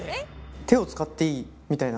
手を使っていいみたいな？